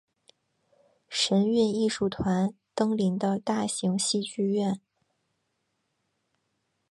神韵艺术团登临的大型戏剧院。